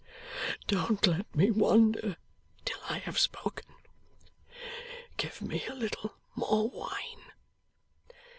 Don't let me wander till I have spoken. Give me a little more wine.